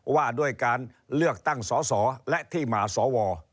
ว่าด้วยการเลือกตั้งสอสอและที่มาสว